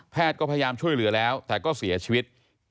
ก็พยายามช่วยเหลือแล้วแต่ก็เสียชีวิต